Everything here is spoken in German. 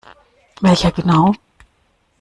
Welcher genau?